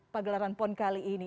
pagelaran pon kali ini